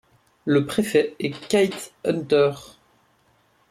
Le préfet est Keith Hunter.